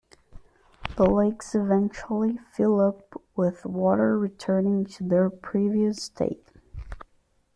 The lakes eventually fill up with water returning to their previous state.